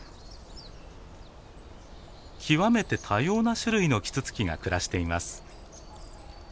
極めて多様な種類のキツツキが暮らしています。